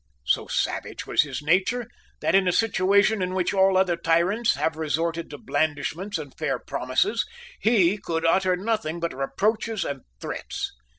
So savage was his nature that, in a situation in which all other tyrants have resorted to blandishments and fair promises, he could utter nothing but reproaches and threats.